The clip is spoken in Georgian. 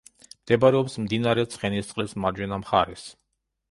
მდებარეობს მდინარე ცხენისწყლის მარჯვენა მხარეს.